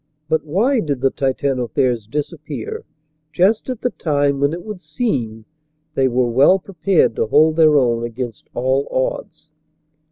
But why did the Titanotheres disappear just at the time when it would seem they were well prepared to hold their own against all odds?